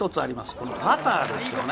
このパターですよね。